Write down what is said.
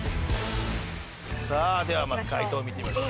さあではまず解答を見てみましょう。